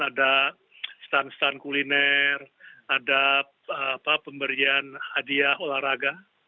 ada stand stand kuliner ada pemberian hadiah olahraga